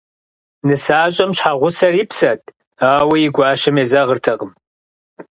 НысащӀэм щхьэгъусэр и псэт, ауэ и гуащэм езэгъыртэкъым.